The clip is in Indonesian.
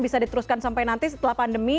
bisa diteruskan sampai nanti setelah pandemi